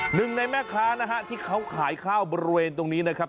หนึ่งในแม่ค้านะฮะที่เขาขายข้าวบริเวณตรงนี้นะครับ